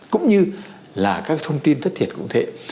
cũng như là các thông tin thất thiệt cũng thế